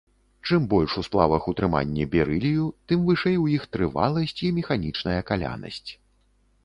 Чым больш у сплавах утрыманне берылію, тым вышэй у іх трываласць і механічная калянасць.